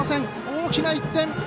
大きな１点。